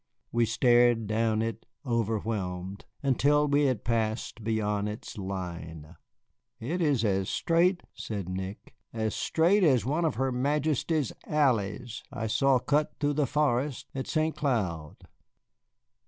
We stared down it, overwhelmed, until we had passed beyond its line. "It is as straight," said Nick, "as straight as one of her Majesty's alleys I saw cut through the forest at Saint Cloud."